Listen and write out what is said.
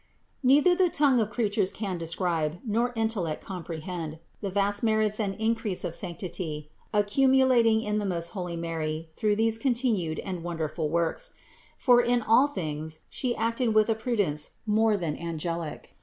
677. Neither the tongue of creatures can describe, nor intellect comprehend, the vast merits and increase of sanctity accumulating in the most holy Mary through these continued and wonderful works; for in all things She acted with a prudence more than angelic.